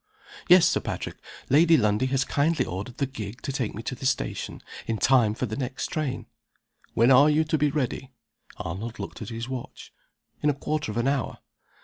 "Yes, Sir Patrick. Lady Lundie has kindly ordered the gig to take me to the station, in time for the next train." "When are you to be ready?" Arnold looked at his watch. "In a quarter of an hour."